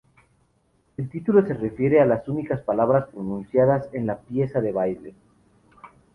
El título se refiere a las únicas palabras pronunciadas en la pieza de baile.